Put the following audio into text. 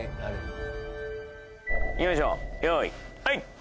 はい。